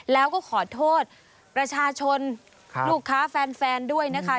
แล้วก็ขอโทษประชาชนลูกค้าแฟนด้วยนะคะ